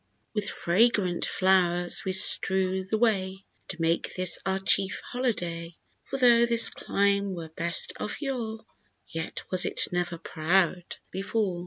With fragrant flowers we strew the way, And make this our chief holiday; For though this clime were blest of yore, Yet was it never proud before.